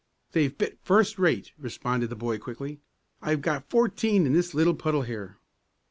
"They've bit first rate," responded the boy, quickly. "I've got fourteen in this little puddle here."